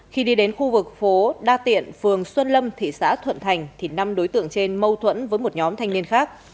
khi đi đến khu vực phố đa tiện phường xuân lâm thị xã thuận thành thì năm đối tượng trên mâu thuẫn với một nhóm thanh niên khác